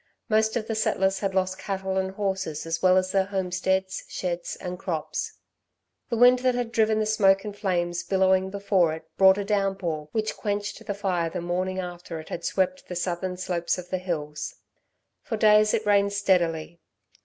Most of the settlers had lost cattle and horses as well as their homesteads, sheds and crops. The wind that had driven the smoke and flames billowing before it brought a downpour which quenched the fire the morning after it had swept the southern slopes of the hills. For days it rained steadily.